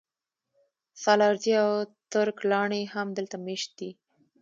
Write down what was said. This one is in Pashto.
سالارزي او ترک لاڼي هم دلته مېشت دي